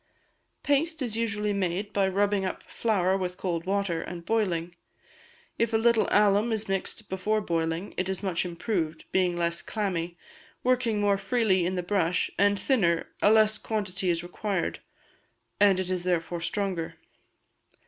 Paste is usually made by rubbing up flour with cold water, and boiling; if a little alum is mixed before boiling it is much improved, being less clammy, working more freely in the brush, and thinner, a less quantity is required, and it is therefore stronger.